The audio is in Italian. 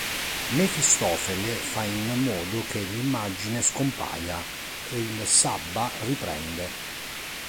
Mefistofele fa in modo che l'immagine scompaia, e il sabba riprende.